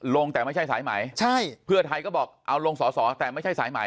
แต่ไม่ใช่สายใหม่ใช่เพื่อไทยก็บอกเอาลงสอสอแต่ไม่ใช่สายใหม่